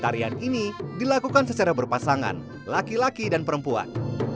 tarian ini dilakukan secara berpasangan laki laki dan perempuan